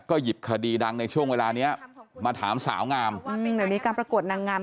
หยิบคดีดังในช่วงเวลาเนี้ยมาถามสาวงามจริงเดี๋ยวนี้การประกวดนางงาม